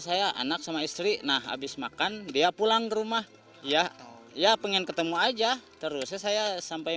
saya anak sama istri nah habis makan dia pulang ke rumah ya ya pengen ketemu aja terus saya sampai